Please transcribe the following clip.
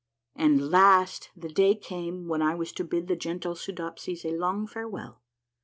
At last the day came when I was to bid the gentle Soodop sies a long farewell.